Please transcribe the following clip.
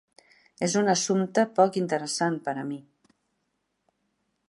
És un assumpte poc interessant per a mi.